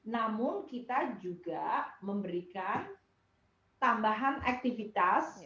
namun kita juga memberikan tambahan aktivitas